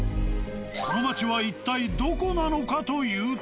この町は一体どこなのかというと。